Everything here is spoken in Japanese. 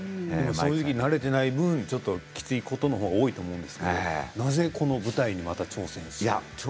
慣れていない分きついことのほうが多いと思うんですがなぜ舞台に挑戦するんですか？